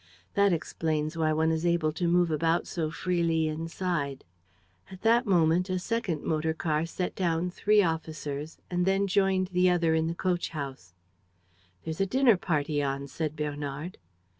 That explains why one is able to move about so freely inside." At that moment, a second motor car set down three officers and then joined the other in the coach house. "There's a dinner party on," said Bernard.